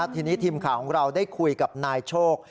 ทีนี้ทีมข่าวของเราได้คุยกับนายโชค